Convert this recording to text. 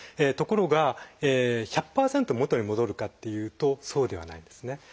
ところが１００％元に戻るかっていうとそうではないんですね。